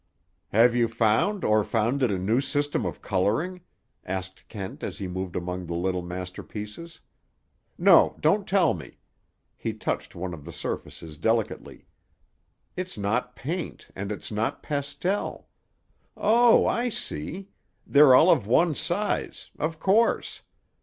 "Have you found or founded a new system of coloring?" asked Kent as he moved among the little masterpieces. "No; don't tell me." He touched one of the surfaces delicately. "It's not paint, and it's not pastel. Oh, I see! They're all of one size—of course."